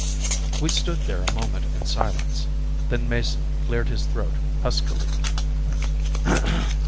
We stood there a moment in silence. Then Mason cleared his throat huskily.